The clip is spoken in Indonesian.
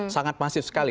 sangat masif sekali